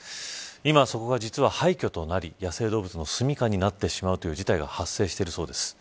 今、実はそこが廃墟となり野生動物のすみかになってしまう事態が発生しているそうです。